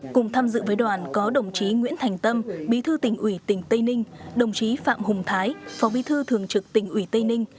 cùng tham dự với đoàn có đồng chí nguyễn thành tâm bí thư tỉnh ủy tỉnh tây ninh đồng chí phạm hùng thái phó bí thư thường trực tỉnh ủy tây ninh